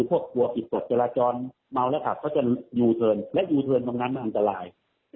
เพราะมันตัดกระแถอันตราย